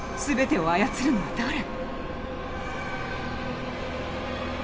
「すべてを操るのは誰⁉」。